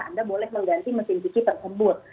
anda boleh mengganti mesin cuci tersebut